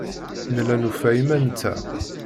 Nella nufa iman-nteɣ.